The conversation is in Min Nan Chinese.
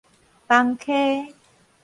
崩溪